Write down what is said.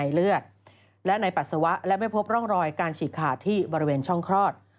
เลือดและในปัสสาวะและไม่พบร่องรอยการฉีกขาดที่บริเวณช่องคลอด